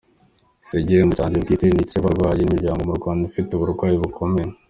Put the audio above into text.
Si igihembo cyanjye bwite, ni icy’abarwayi n’imiyango mu Rwanda ifite uburwayi bukomeye.